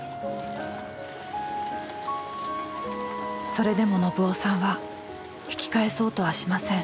それでも信男さんは引き返そうとはしません。